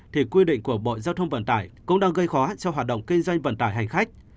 thì quy định của bộ giao thông vận tải cũng đang gây khó cho hoạt động kinh doanh vận tải hành khách